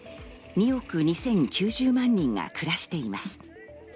２億２０９０万人が暮らしています。